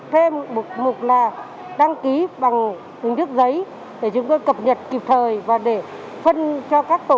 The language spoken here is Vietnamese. thêm b mục là đăng ký bằng hình thức giấy để chúng tôi cập nhật kịp thời và để phân cho các tổ